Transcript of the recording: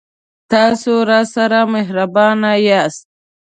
تاسو راسره مهربان یاست